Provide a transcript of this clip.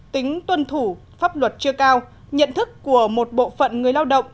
tính tuân thủ pháp luật chưa cao nhận thức của một bộ phận người lao động